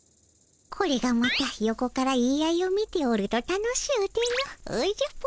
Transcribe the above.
これがまた横から言い合いを見ておると楽しゅうてのおじゃぷぷぷ。